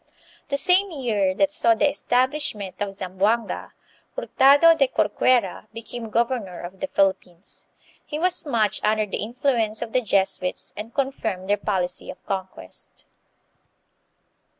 The same year that saw the establishment of Zam boanga, Hurtado de Corcuera became governor of the Philippines. He was much under the influence of the Jesuits and confirmed their policy of conquest.